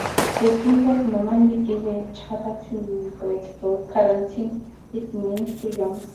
The Duke of Normandy gave a charter to Breteuil guaranteeing it many freedoms.